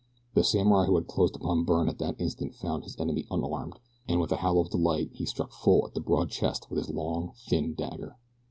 The samurai who had closed upon Byrne at that instant found his enemy unarmed, and with a howl of delight he struck full at the broad chest with his long, thin dagger.